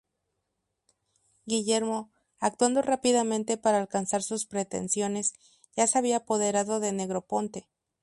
Guillermo, actuando rápidamente para alcanzar sus pretensiones, ya se había apoderado de Negroponte.